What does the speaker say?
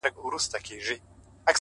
د تاو تاو زلفو په کږلېچو کي به تل زه یم-